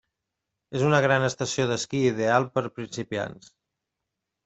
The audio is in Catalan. És una gran estació d'esquí ideal per a principiants.